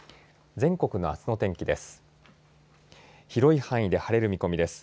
全国のあすの天気です。